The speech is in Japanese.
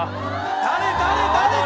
誰誰誰誰。